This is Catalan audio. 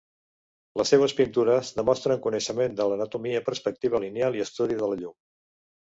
Les seues pintures demostren coneixement de l'anatomia, perspectiva lineal i estudi de la llum.